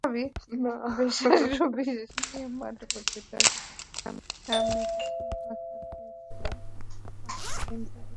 বেশ আত্মবিশ্বাস নিয়ে মাঠভর্তি দর্শকের সামনেই অভিসারের প্রস্তাব দিয়েছিলেন অস্ট্রেলিয়ান টিভি সাংবাদিককে।